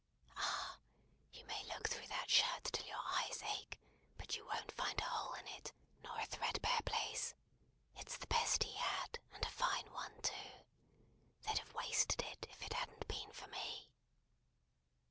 Ah! you may look through that shirt till your eyes ache; but you won't find a hole in it, nor a threadbare place. It's the best he had, and a fine one too. They'd have wasted it, if it hadn't been for me."